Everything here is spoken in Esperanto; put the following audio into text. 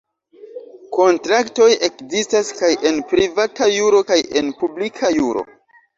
Kontraktoj ekzistas kaj en privata juro kaj en publika juro.